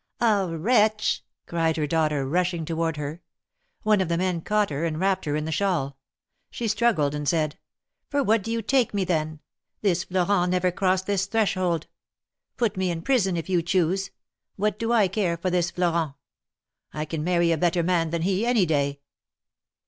"Ah ! wretch!" cried her daughter, rushing toward her. One of the men caught her and wrapped her in the shawl. She struggled, and said :" For what do you take me, then ? This Florent never crossed this threshold. Put me in prison, if you choose. What do I care for this Florent? I can marry a better man than he, any day."